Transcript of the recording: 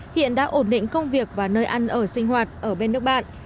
hiện đã ổn định công việc và nơi ăn ở sinh hoạt ở bên nước bạn